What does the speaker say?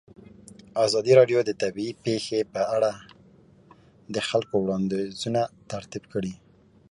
ازادي راډیو د طبیعي پېښې په اړه د خلکو وړاندیزونه ترتیب کړي.